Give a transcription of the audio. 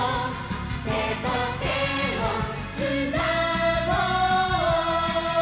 「手と手をつなごう！」